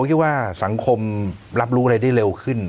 คิดว่าสังคมรับรู้อะไรได้เร็วขึ้น